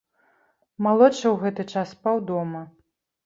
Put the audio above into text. Малодшы ў гэты час спаў дома.